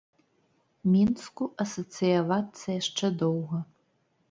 Мінску асацыявацца яшчэ доўга.